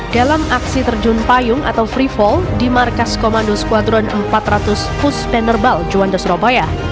dalam aksi terjun payung atau free fall di markas komando skuadron empat ratus puspenerbal juanda surabaya